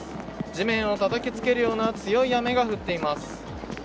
地面をたたきつけるような強い雨が降っています。